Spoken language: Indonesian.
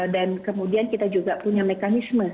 dan kemudian kita juga punya mekanisme